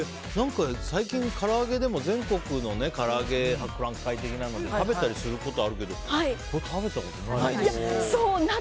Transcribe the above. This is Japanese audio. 最近、から揚げでも全国のから揚げ博覧会的なので食べたりすることあるけどこれは食べたことないな。